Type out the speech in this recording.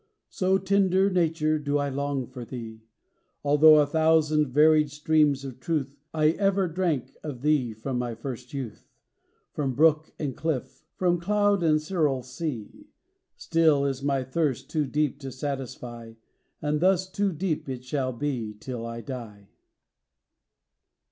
So, tender Nature, do I long for thee; Although a thousand varied streams of truth I ever drank of thee from my first youth, From brook and cliff, from cloud and cerul sea, Still is my thirst too deep to satisfy And, thus, too deep it shall be till I die.